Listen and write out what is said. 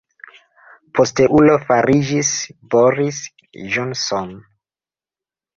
Posteulo fariĝis Boris Johnson.